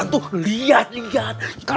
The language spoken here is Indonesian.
ini bukan kering otra